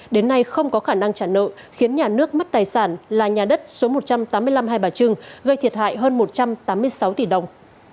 đến nay không có khả năng trả nợ khiến nhà nước mất tài sản là nhà đất số một trăm tám mươi năm hai bà trưng gây thiệt hại hơn một trăm tám mươi sáu tỷ đồng